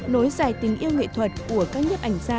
nối dài tình yêu nghệ thuật của các nhếp ảnh gia